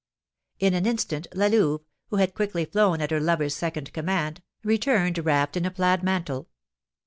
In an instant La Louve, who had quickly flown at her lover's second command, returned wrapped in a plaid mantle.